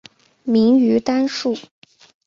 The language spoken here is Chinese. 明于丹术。